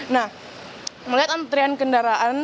nah melihat antrian kendaraan